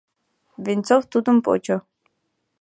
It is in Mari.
Венцов тудым почо.